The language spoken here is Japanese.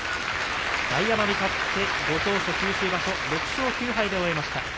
大奄美、勝ってご当所九州場所を６勝９敗で終えました。